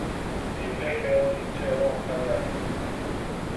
Yella kra i yettaru Xali Ɛli.